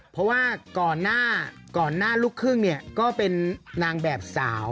เพราะว่าก่อนหน้าก่อนหน้าลูกครึ่งเนี่ยก็เป็นนางแบบสาว